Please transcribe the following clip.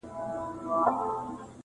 • د الماسو یې جوړ کړی دی اصلي دی..